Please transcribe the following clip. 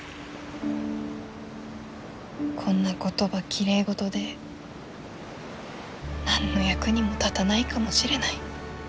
こんな言葉きれいごとで何の役にも立たないかもしれない。